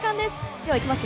では行きます。